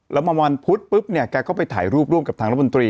แล้วมาวันพุธปุ๊บเนี่ยแกก็ไปถ่ายรูปร่วมกับทางรัฐมนตรี